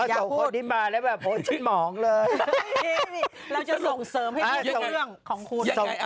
เยอะแค่เรื่องของคุณ